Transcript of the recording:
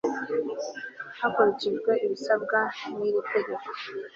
hakurikijwe ibisabwa n'iri tegeko